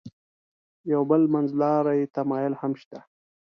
یو بل منځلاری تمایل هم شته.